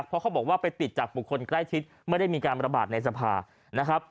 เพราะเขาบอกว่าไปติดจากบุคคลใกล้ชิดไม่ได้มีการระบาดในสภานะครับ